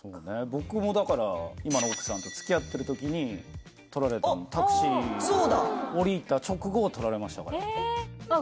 僕もだから今の奥さんとつきあってる時に撮られたのおっそうだ降りた直後を撮られましたからあっ